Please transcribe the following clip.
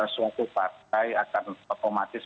suatu partai akan otomatis